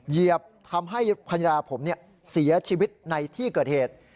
เหยียบทำให้ภรรยาผมเสียชีวิตในที่เกิดเหตุ